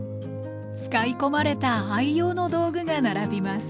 使い込まれた愛用の道具が並びます